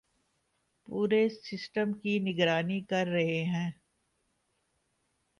پورے سسٹم کی نگرانی کررہے ہیں